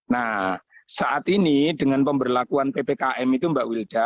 nah saat ini dengan pemberlakuan ppkm itu mbak wilda